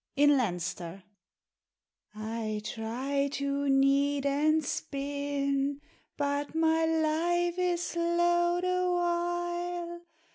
IN LEINSTER. I try to knead and spin, but my life is low the while.